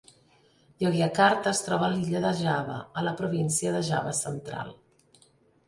Yogyakarta es troba a l'illa de Java, a la província de Java central.